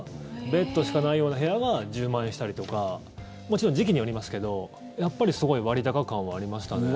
ベッドしかないような部屋が１０万円したりとかもちろん時期によりますけどやっぱりすごい割高感はありましたね。